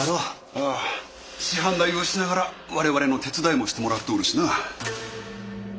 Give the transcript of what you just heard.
ああ師範代をしながら我々の手伝いもしてもらっておるしな。